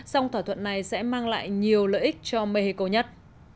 song thỏa thuận này sẽ mang lại nhiều lợi ích cho mexico nhất